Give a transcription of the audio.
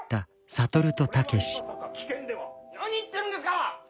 「何言ってるんですか！